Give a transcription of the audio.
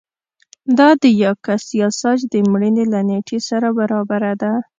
دا د یاکس یاساج د مړینې له نېټې سره برابره ده